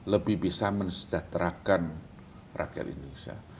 lebih bisa mensejahterakan rakyat indonesia